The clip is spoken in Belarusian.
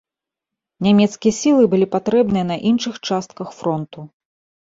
Нямецкія сілы былі патрэбныя на іншых частках фронту.